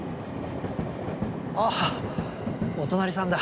ああお隣さんだ。